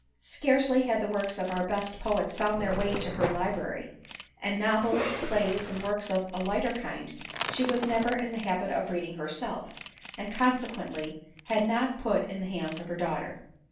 Scarcely had the works of our best poets found their way to'her library ; and novels, plays, and works of a lighter kind she was never in the habit of reading herself, and consequendy had not put in the hands of her daughter.